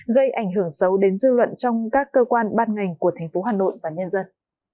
gây ảnh hưởng xấu đến dư luận trong các cơ quan ban ngành của thành phố hà nội và nhân dân